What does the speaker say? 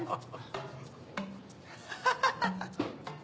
ハハハハ！